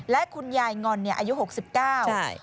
และคุณยายงอนเนี่ยอายุหกสิบเก้า